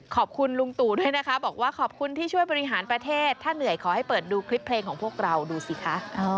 ขอบคุณลุงตู่ด้วยนะคะบอกว่าขอบคุณที่ช่วยบริหารประเทศถ้าเหนื่อยขอให้เปิดดูคลิปเพลงของพวกเราดูสิคะ